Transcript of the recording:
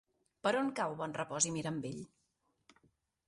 Per on cau Bonrepòs i Mirambell?